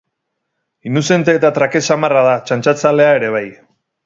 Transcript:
Inuzente eta trakets samarra da, txantxazalea ere bai.